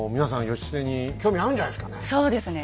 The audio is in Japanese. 義経に興味あるんじゃないですかね。